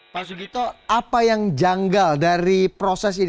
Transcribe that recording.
pak sugito apa yang janggal dari proses ini